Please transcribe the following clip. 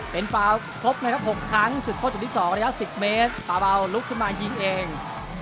เป็นปลาครบนะครับ๖ครั้งสุดโทษจุดที่๒ระยะ๑๐เมตรปาเบาลุกขึ้นมายิงเอง